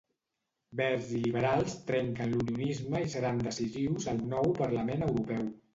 Verds i liberals trenquen l'unionisme i seran decisius al nou Parlament Europeu.